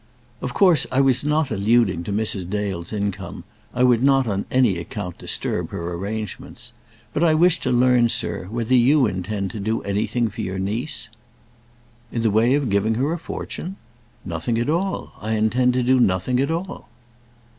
"Of course I was not alluding to Mrs. Dale's income; I would not, on any account, disturb her arrangements. But I wished to learn, sir, whether you intend to do anything for your niece." "In the way of giving her a fortune? Nothing at all. I intend to do nothing at all."